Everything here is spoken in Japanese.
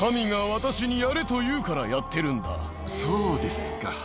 そうですか。